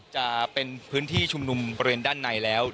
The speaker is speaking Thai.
จะเป็นพื้นที่ชุมนุมบริเวณด้านในแล้ว